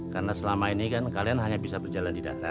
karena selama ini kan kalian hanya bisa berjalan di daerah